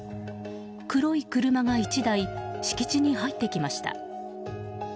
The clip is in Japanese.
黒い車が１台敷地に入ってきました。